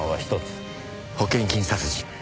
保険金殺人。